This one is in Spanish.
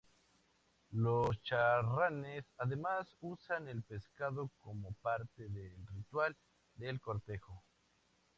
Los charranes además usan el pescado como parte del ritual de cortejo.